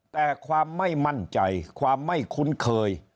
แต่ความไม่มั่นใจความไม่คุ้นเคย